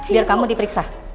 biar kamu diperiksa